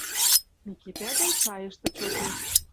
Микитӓ дон шайышты чоте